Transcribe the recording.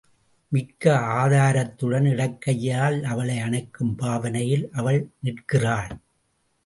மிக்க ஆதுரத்துடன் இடக்கையால் அவளை அணைக்கும் பாவனையில் அவள் நிற்கிறாள்.